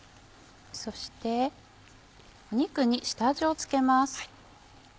そして肉に下味を付けます。